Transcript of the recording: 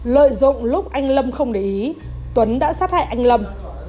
lợi dụng lúc anh lâm không để ý tuấn đã sát hại anh lâm